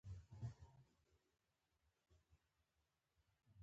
ایا د زړه عملیات مو کړی دی؟